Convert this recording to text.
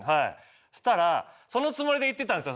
そしたらそのつもりで行ってたんですよ